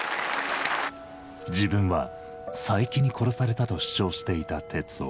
自分は佐伯に殺されたと主張していた徹生。